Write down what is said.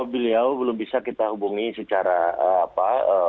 beliau belum bisa kita hubungi secara apa